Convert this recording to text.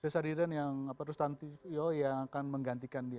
cesar hiren dan tanti yo yang akan menggantikan dia